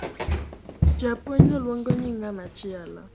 Japuonj no luongo nying ngama chielo.